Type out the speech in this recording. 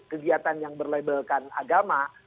kegiatan yang berlabelkan agama